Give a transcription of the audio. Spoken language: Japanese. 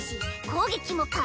攻撃も可！